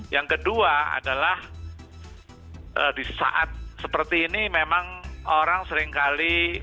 yang kedua adalah di saat seperti ini memang orang seringkali